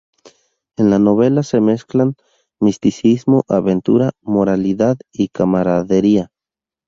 En la novela se mezclan misticismo, aventura, moralidad y camaradería.